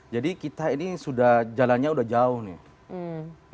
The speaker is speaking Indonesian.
jadi kita ini sudah jalannya sudah jauh nih